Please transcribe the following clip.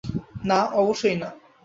না, অবশ্যই না।